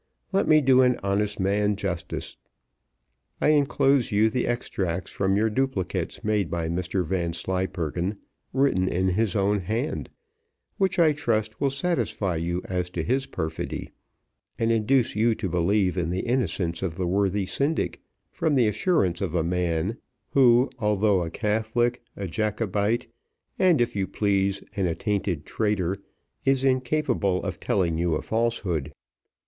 Let me do an honest man justice. I enclose you the extracts from your duplicates made by Mr Vanslyperken, written in his own hand, which I trust will satisfy you as to his perfidy, and induce you to believe in the innocence of the worthy syndic from the assurance of a man, who, although a Catholic, a Jacobite, and if you please an attainted traitor, is incapable of telling you a falsehood.